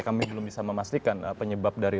kami belum bisa memastikan penyebab dari